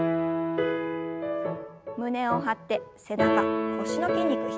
胸を張って背中腰の筋肉引き締めます。